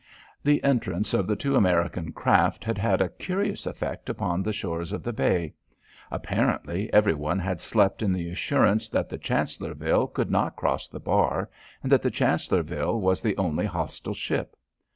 The entrance of the two American craft had had a curious effect upon the shores of the bay. Apparently everyone had slept in the assurance that the Chancellorville could not cross the bar, and that the Chancellorville was the only hostile ship.